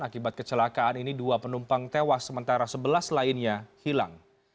akibat kecelakaan ini dua penumpang tewas sementara sebelas lainnya hilang